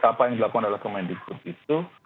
apa yang dilakukan oleh permain digbut itu